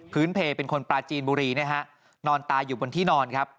เพลเป็นคนปลาจีนบุรีนะฮะนอนตายอยู่บนที่นอนครับ